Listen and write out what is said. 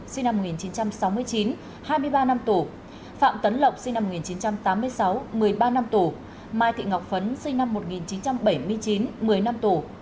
sinh năm một nghìn chín trăm sáu mươi chín hai mươi ba năm tù phạm tấn lộc sinh năm một nghìn chín trăm tám mươi sáu một mươi ba năm tù mai thị ngọc phấn sinh năm một nghìn chín trăm bảy mươi chín một mươi năm tù